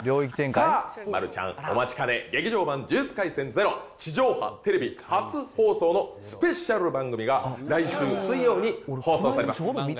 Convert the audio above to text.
さあ、丸ちゃん、お待ちかね、劇場版呪術廻戦０、地上波テレビ初放送のスペシャル番組が、来週水曜日に放送されます。